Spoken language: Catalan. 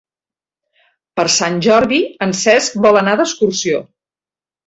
Per Sant Jordi en Cesc vol anar d'excursió.